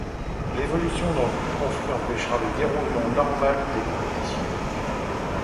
L'évolution du conflit empêcha le déroulement normal des compétitions.